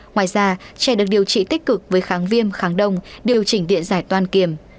ngoài ra trẻ được điều trị tích cực với kháng viêm kháng đông điều chỉnh điện giải toan kiềm